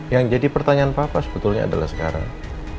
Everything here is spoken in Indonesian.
yang jadi pertanyaan papa sebetulnya adalah sekarang